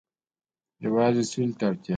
یوازې سولې ته اړتیا ده.